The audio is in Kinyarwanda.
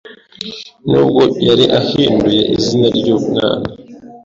nubwo yari ahinduye izina ry’umwana .